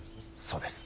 そうです。